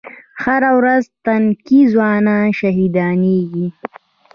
هره ورځ تنکي ځوانان شهیدانېږي